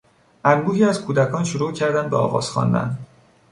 انبوهی از کودکان شروع کردند به آواز خواندن.